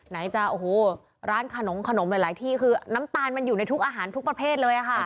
ไหนจะโอ้โหร้านขนมหลายที่คือน้ำตาลมันอยู่ในทุกอาหารทุกประเภทเลยค่ะ